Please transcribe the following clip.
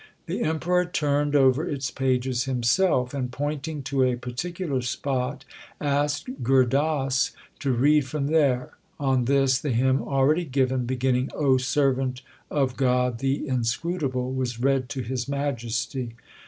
The Emperor turned over its pages himself, and pointing to a particular spot asked Gur Das to read from there. On this the hymn already given, beginning O servant of God the Inscrutable , was read to His Majesty.